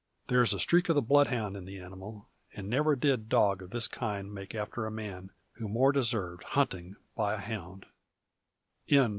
There is a streak of the bloodhound in the animal; and never did dog of this kind make after a man, who more deserved hunting by a hound.